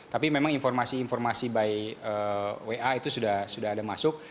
tapi memang informasi informasi by wa itu sudah ada masuk